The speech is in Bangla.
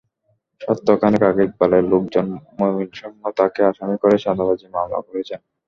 সপ্তাহ খানেক আগে ইকবালের লোকজন মহসিনসহ তাঁকে আসামি করে চাঁদাবাজির মামলা করেছেন।